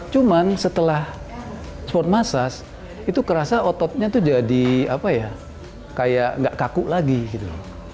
cuman setelah spon massage itu kerasa ototnya tuh jadi apa ya kayak gak kaku lagi gitu loh